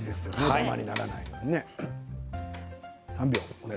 ダマにならないように。